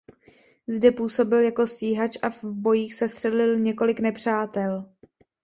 Zde působil jako stíhač a v bojích sestřelil několik nepřátel.